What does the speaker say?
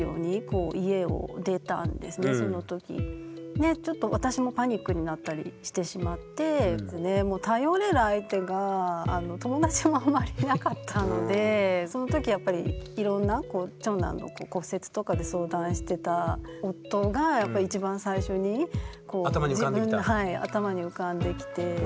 でちょっと私もパニックになったりしてしまって頼れる相手が友達もあんまりいなかったのでその時やっぱりいろんな長男の骨折とかで相談してた頭に浮かんできた？